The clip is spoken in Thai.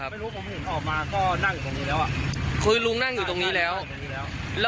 แล้วก็ไฟไหม้อยู่ตรงนี่ส่วนลุ้ม